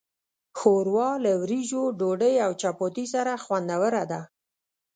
ښوروا له وریژو، ډوډۍ، او چپاتي سره خوندوره ده.